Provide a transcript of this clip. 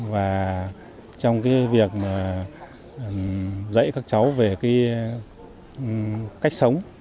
và trong cái việc dạy các cháu về cách sống